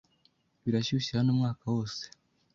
Birashyushye hano umwaka wose.